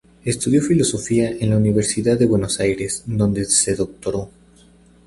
Estudió Filosofía en la Universidad de Buenos Aires, donde se doctoró.